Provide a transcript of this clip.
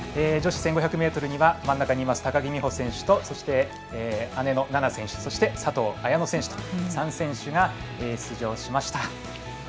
女子１５００ｍには、真ん中の高木美帆選手と姉の菜那選手そして佐藤綾乃選手と３選手が出場しました。